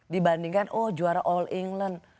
dibandingkan oh juara all england